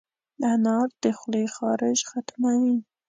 انار د خولې خارش ختموي.